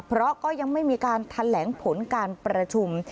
เพราะก็ยังไม่มีการแถลงผลการประชุม